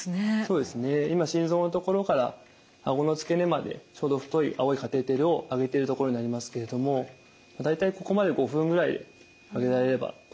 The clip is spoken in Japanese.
今心臓の所からあごの付け根までちょうど太い青いカテーテルを上げてるところになりますけれども大体ここまで５分ぐらい上げられればとふだん考えております。